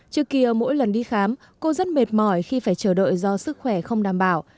trước kia mỗi lần đi khám cô rất mệt mỏi khi phải chờ đợi do sức khỏe không đảm bảo